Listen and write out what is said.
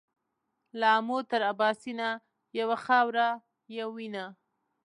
له آمو تر اباسینه یوه خاوره یو وینه